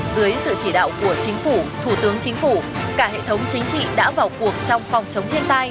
dưới sự chỉ đạo của chính phủ thủ tướng chính phủ cả hệ thống chính trị đã vào cuộc trong phòng chống thiên tai